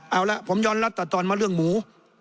เอาละผมยอมรับตัดตอนมาเรื่องหมู